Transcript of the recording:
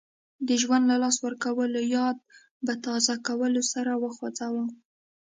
د ژوند له لاسه ورکولو یاد په تازه کولو سر وخوځاوه.